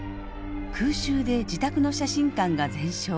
空襲で自宅の写真館が全焼。